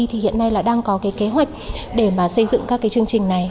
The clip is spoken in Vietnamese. thì hiện nay là đang có cái kế hoạch để mà xây dựng các cái chương trình này